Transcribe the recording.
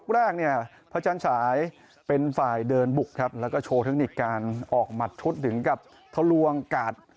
แล้วก็โชว์เทคนิคการออกหมัดทุดถึงกับทะลวงกาด